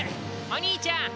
お兄ちゃん！